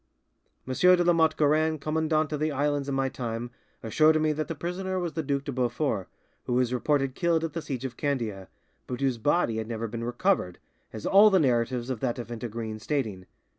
M. de La Motte Guerin, commandant of the islands in my time, assured me that the prisoner was the Duc de Beaufort, who was reported killed at the siege of Candia, but whose body had never been recovered, as all the narratives of that event agree in stating.